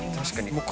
確かに。